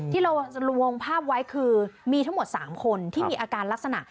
ที่เราวงภาพไว้คือมีทั้งหมด๓คนที่มีอาการลักษณะ